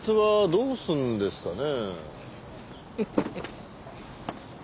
どうするんですかね？